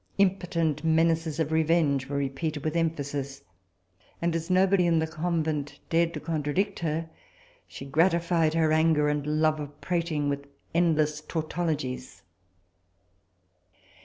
Impotent menaces of revenge were repeated with emphasis, and as nobody in the convent dared to contradict her, she gratified her anger and love of prating with endless tautologies.